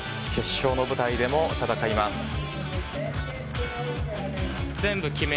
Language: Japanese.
決勝の舞台でも戦います。